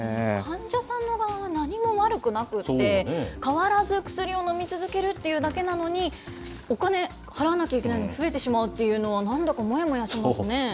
患者さんの側は何も悪くなくって、変わらず薬を飲み続けるっていうだけなのに、お金払わなきゃいけないの、増えてしまっていうのは、なんだかもやもやしますね。